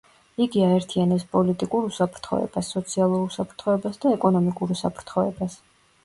იგი აერთიანებს პოლიტიკურ უსაფრთხოებას, სოციალურ უსაფრთხოებას და ეკონომიკურ უსაფრთხოებას.